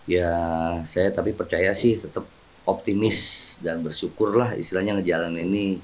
ya saya tapi percaya sih tetap optimis dan bersyukurlah istilahnya jalan ini